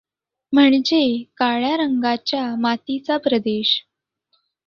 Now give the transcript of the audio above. म्हणजे काळ्या रंगाच्या मातीचा प्रदेश.